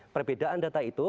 perbedaan data itu